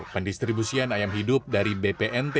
pendistribusian ayam hidup dari bpnt